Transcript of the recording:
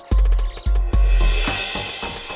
emang ugak sama juga